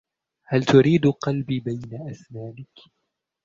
هل تريد قلبي بين أسنانك ؟